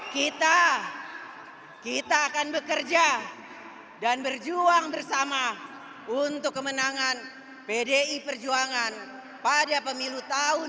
kita kita akan bekerja dan berjuang bersama untuk kemenangan pdi perjuangan pada pemilu tahun dua ribu dua puluh empat